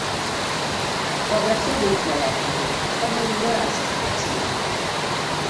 Una grafia de sos dialetos podet megiorare sa situatzione?